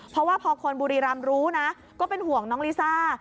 เพราะว่าพอคนบุรีรำรู้นะก็เป็นห่วงน้องลิซ่า